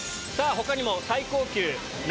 他にも最高級。